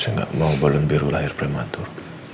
saya gak mau balun biru lahir prematur